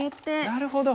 なるほど。